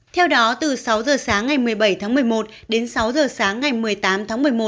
theo đó từ sáu giờ sáng ngày một mươi bảy tháng một mươi một đến sáu giờ sáng ngày một mươi tám tháng một mươi một